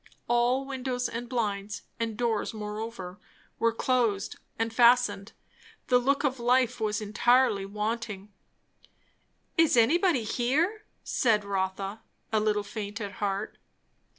All windows and blinds and doors moreover were close and fastened; the look of life was entirely wanting. "Is there anybody here?" said Rotha, a little faint at heart.